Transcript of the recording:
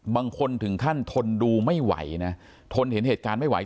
บางคนถึงขั้นทนดูไม่ไหวนะทนเห็นเหตุการณ์ไม่ไหว